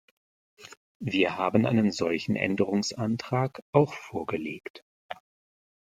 Wir haben einen solchen Änderungsantrag auch vorgelegt.